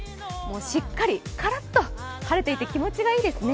しっかりからっと晴れていて気持ちがいいですね。